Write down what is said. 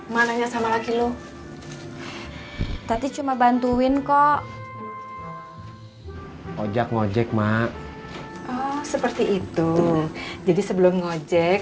mananya sama laki lu tadi cuma bantuin kok ojek ngojek mak seperti itu jadi sebelum ngojek